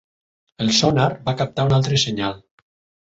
El sonar va captar un altre senyal.